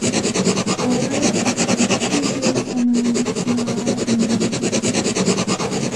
Bora kusezamiane na mundungi.